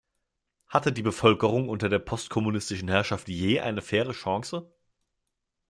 Hatte die Bevölkerung unter der postkommunistischen Herrschaft je eine faire Chance?